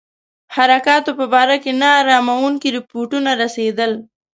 حرکاتو په باره کې نا اراموونکي رپوټونه رسېدل.